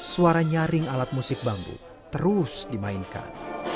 suara nyaring alat musik bambu terus dimainkan